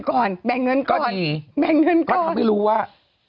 ก็มีก็ทำไม่รู้ว่า